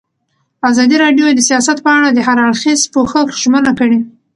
ازادي راډیو د سیاست په اړه د هر اړخیز پوښښ ژمنه کړې.